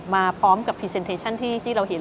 มาพร้อมกับพรีเซนเทชั่นที่เราเห็น